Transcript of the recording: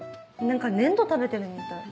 何か粘土食べてるみたい。